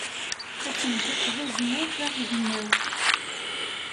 Asenjaq d azmul d aɣelnaw.